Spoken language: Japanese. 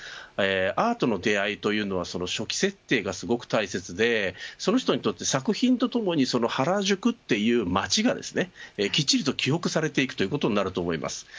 アートの出会いは初期設定がすごく大切でその人にとって作品とともに原宿という街がきっちりと記憶されていくことになると思います。